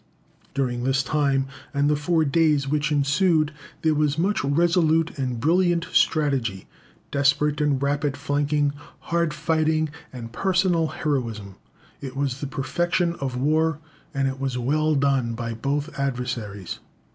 During this time, and the four days which ensued, there was much resolute and brilliant strategy, desperate and rapid flanking, hard fighting, and personal heroism. It was the perfection of war, and it was well done by both adversaries.